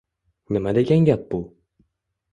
Nima degan gap bu?